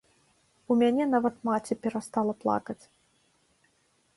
У мяне нават маці перастала плакаць.